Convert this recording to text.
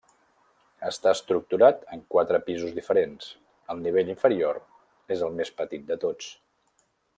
Està estructurat en quatre pisos diferents; el nivell inferior és el més petit de tots.